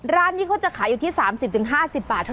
ร้านนี้เขาจะขายอยู่ที่๓๐๕๐บาทเท่านั้น